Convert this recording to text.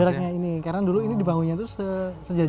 jaraknya ini karena dulu ini dibangunnya itu sejajar disini ya pak